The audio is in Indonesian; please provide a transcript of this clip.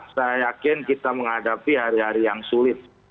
saya yakin kita menghadapi hari hari yang sulit